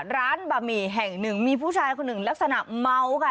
บะหมี่แห่งหนึ่งมีผู้ชายคนหนึ่งลักษณะเมาค่ะ